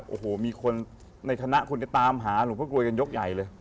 โอ้โหมีคนในฐานะคนจะตามหาหลวงพ่อกรวยกันยกใหญ่เลย